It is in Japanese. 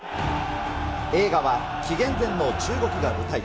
映画は紀元前の中国が舞台。